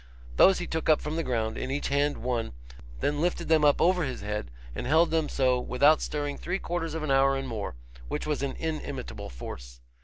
Those he took up from the ground, in each hand one, then lifted them up over his head, and held them so without stirring three quarters of an hour and more, which was an inimitable force.